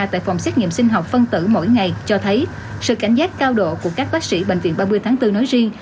tại phòng xét nghiệm sinh học phân tử mỗi ngày cho thấy sự cảnh giác cao độ của các bác sĩ bệnh viện ba mươi tháng bốn nói riêng